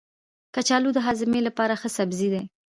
کچالو د هاضمې لپاره ښه سبزی دی.